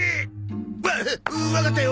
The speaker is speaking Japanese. わっわかったよ。